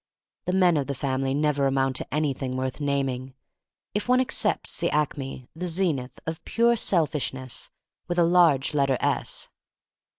The men of the family never amount to anything worth naming — if one accepts the acme, the zenith, of pure selfish ness, with a large letter "s.